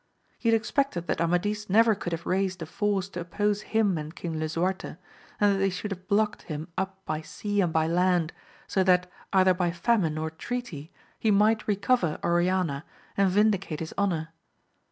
He had expected that Amadis never could have raised a force to oppose him and King Lisuarte, and that they should have blocked him up by sea and by land, so that, either by fjEunine or treaty, he might recover Oriana, and vindicate his honour.